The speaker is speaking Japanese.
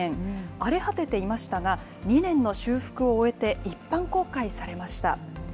荒れ果てていましたが、２年の修復を終えて、一般公開されました。